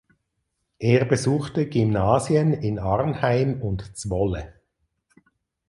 Er besuchte Gymnasien in Arnheim und Zwolle.